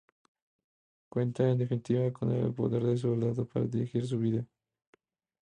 Cuenta, en definitiva, con el poder de su lado para dirigir su vida.